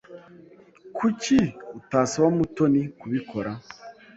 Kuki utasaba Mutoni kubikora?